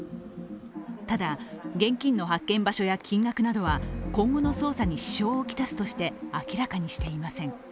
ただ、現金の発見場所や金額などは今後の捜査に支障をきたすとして明らかにしていません。